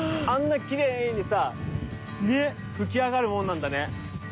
あんなきれいにさ吹き上がるもんなんだね。